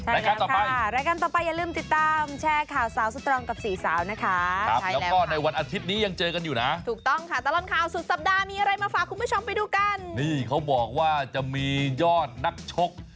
และการต่อไปอย่าลืมติดตามแชร์ข่าวสาวสุดตรงกับศรีสาวนะคะ